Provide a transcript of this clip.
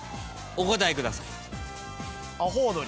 お答えください。